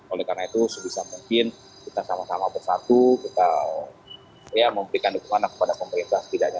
oleh karena itu sebisa mungkin kita sama sama bersatu kita memberikan dukungan kepada pemerintah setidaknya